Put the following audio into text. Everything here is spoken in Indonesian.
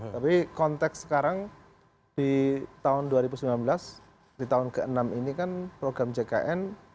tapi konteks sekarang di tahun dua ribu sembilan belas di tahun ke enam ini kan program jkn